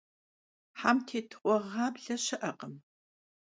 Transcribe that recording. Hemtêtığue ğable şı'ekhım.